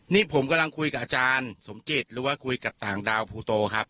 นี่ผมกำลังคุยกับอาจารย์สมจิตหรือว่าคุยกับต่างดาวภูโตครับ